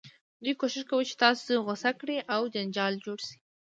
دوی کوښښ کوي چې تاسو غوسه کړي او جنجال جوړ شي.